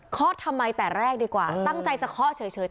ทำไมแต่แรกดีกว่าตั้งใจจะเคาะเฉย